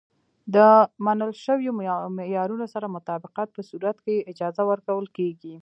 د منل شویو معیارونو سره مطابقت په صورت کې یې اجازه ورکول کېږي.